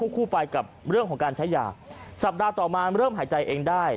คู่ไปกับเรื่องของการใช้ยาสัปดาห์ต่อมาเริ่มหายใจเองได้